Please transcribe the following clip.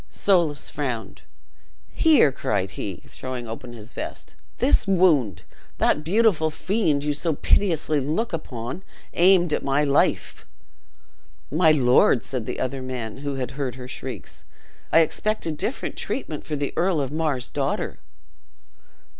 Soulis frowned: "Here!" cried he, throwing open his vest: "this wound, that beautiful fiend you so piteously look upon, aimed at my life!" "My lord," said the other man, who had heard her shrieks, "I expected different treatment for the Earl of Mar's daughter."